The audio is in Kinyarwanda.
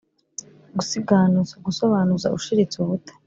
gusiganuza: gusobanuza ushiritse ubute.